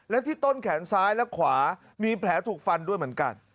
และที่ต้นแขนซ้ายและขวามีแผลถูกฟันด้วยเหมือนกัน